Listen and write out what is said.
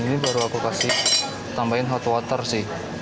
ini baru aku kasih tambahin hot water sih